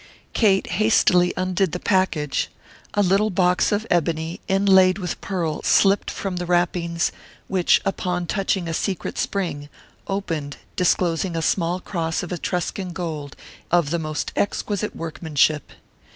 Kate hastily undid the package; a little box of ebony inlaid with pearl slipped from the wrappings, which, upon touching a secret spring, opened, disclosing a small cross of Etruscan gold of the most exquisite workmanship.